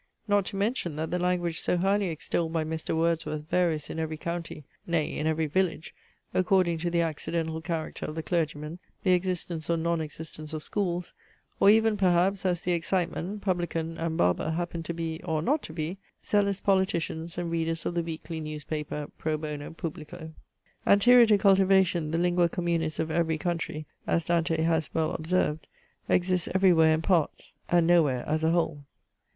Not to mention, that the language so highly extolled by Mr. Wordsworth varies in every county, nay in every village, according to the accidental character of the clergyman, the existence or non existence of schools; or even, perhaps, as the exciteman, publican, and barber happen to be, or not to be, zealous politicians, and readers of the weekly newspaper pro bono publico. Anterior to cultivation the lingua communis of every country, as Dante has well observed, exists every where in parts, and no where as a whole.